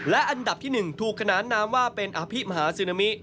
และอันดับที่๑ถูกขนานนามว่าเป็นอภิมหาซึนามิ